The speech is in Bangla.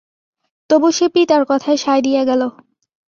তবু সে পিতার কথায় সায় দিয়া গেল।